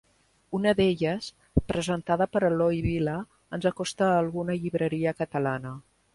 Una d'elles, presentada per Eloi Vila, ens acosta a alguna llibreria catalana.